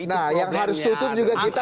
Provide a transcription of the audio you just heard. nah yang harus tutup juga kita